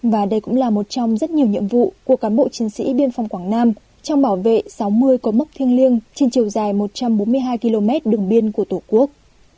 và đây cũng là một trong rất nhiều nhiệm vụ của cán bộ chiến sĩ biên phòng quảng nam trong bảo vệ sáu mươi cốc mốc thiêng liêng trên chiều dài một trăm bốn mươi hai km đường biên của tổ quốc